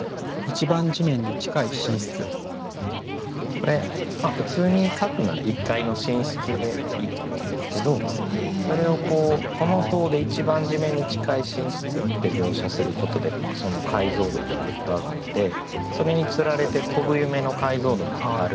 これ普通に書くなら「１階の寝室」でいいと思うんですけどそれを「この棟で一番地面に近い寝室」って描写することでその解像度がグッと上がってそれにつられて「飛ぶ夢」の解像度も上がるような感覚が。